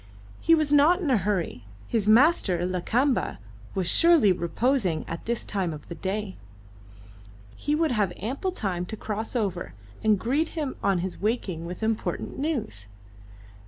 He was not in a hurry; his master, Lakamba, was surely reposing at this time of the day. He would have ample time to cross over and greet him on his waking with important news.